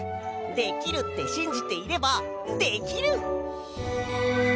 できるってしんじていればできる！